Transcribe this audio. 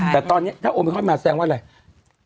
เดลต้าค่ะแต่ตอนนี้ถ้าโอมิคอลมาแสงว่าอะไร